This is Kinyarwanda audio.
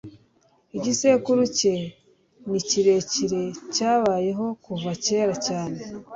Igisekuru cye ni kirekire cyabayeho kuva kera cyane